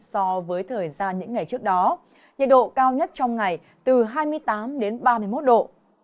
so với thời gian những ngày trước đó nhiệt độ cao nhất trong ngày từ hai mươi tám đến ba mươi một độ